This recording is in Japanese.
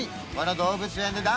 動物園で？